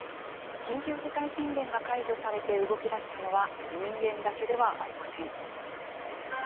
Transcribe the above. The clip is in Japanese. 緊急事態宣言が解除されて動き出したのは、人間だけではありません。